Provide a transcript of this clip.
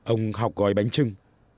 ông học gói bánh trưng